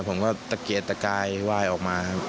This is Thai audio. ผมก็ตะเกดตะกายว่ายออกมาครับ